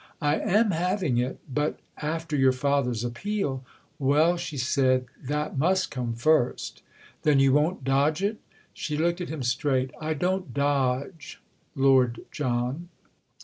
"I am having it But after your father's appeal." "Well," she said, "that must come first." "Then you won't dodge it?" She looked at him straight "I don't dodge, Lord John."